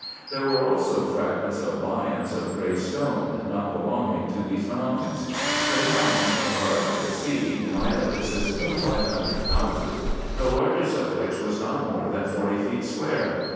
There were also fragments of lions of grey stone, not belonging to these mountains. The town, from what I could see, might have consisted of 500 houses, the largest of which was not more than forty feet square.